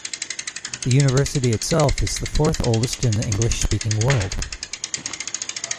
The university itself is the fourth oldest in the English-speaking world.